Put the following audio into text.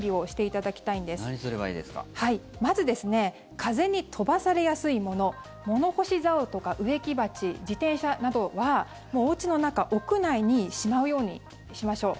まず風に飛ばされやすいもの物干しざおとか植木鉢自転車などはおうちの中、屋内にしまうようにしましょう。